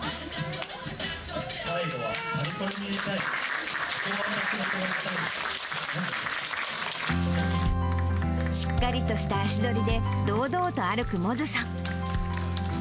最後はパリコレに出たい、しっかりとした足取りで、堂々と歩く百舌さん。